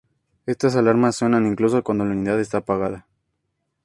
Estas alarmas suenan incluso cuando la unidad está apagada.